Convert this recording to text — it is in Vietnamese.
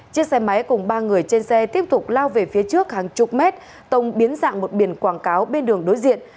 chiếc xe máy cùng ba người trên xe tiếp tục lao về phía trước hàng chục mét tông biến dạng một biển quảng cáo bên đường đối diện